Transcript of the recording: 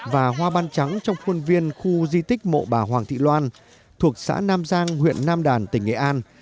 và hoa ban trắng trong khuôn viên khu di tích mộ bà hoàng thị loan thuộc xã nam giang huyện nam đàn tỉnh nghệ an